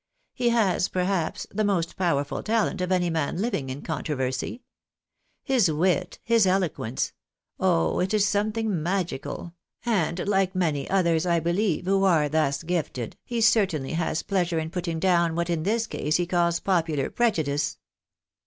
" He has, perhaps, the most powerful talent of any man living in con troversy. His wit, his eloquence — oh, it is something magical! and like many others, I believe, who are thus gifted, he certainly has pleasure in putting down what in this case he calls popular prejudice."